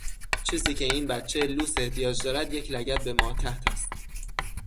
چیزی که این بچهی لوس احتیاج دارد یک لگد به ماتحت است.